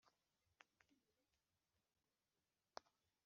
tuba aho tuzi ko ari inyaduka